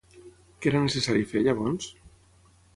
Què era necessari fer, llavors?